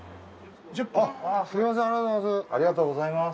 すみませんありがとうございます。